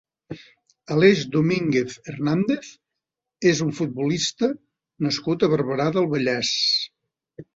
Aleix Domínguez Hernández és un futbolista nascut a Barberà del Vallès.